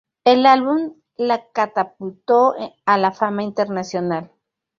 El álbum la catapultó a la fama internacional.